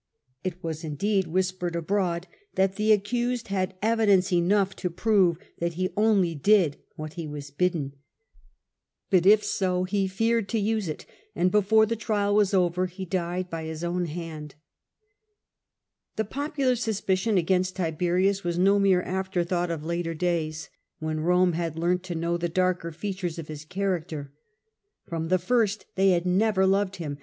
It was, indeed, whispered abroad that the accused had evi dence enough to prove that he only did what he was bidden ; but if so, he feared to use it, and before the trial was over he died by his own hand. The popular suspicion against Tiberius was no mere after thought of later days, when Rome had learnt to know the darker features of his character. From the first they had never loved him, and the Reasons.